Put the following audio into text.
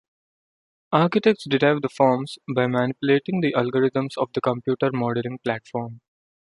Architects derive the forms by manipulating the algorithms of the computer modeling platform.